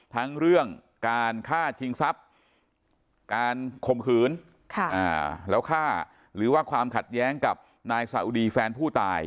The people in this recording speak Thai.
ทั้งเรื่องการฆ่าชิงทรัพย์การข่มขืนแล้วฆ่าหรือว่าความขัดแย้งกับนายสาอุดีแฟนผู้ตาย